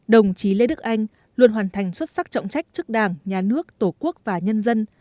đồng chí lê đức anh luôn hoàn thành xuất sắc trọng trách trước đảng nhà nước tổ quốc và nhân dân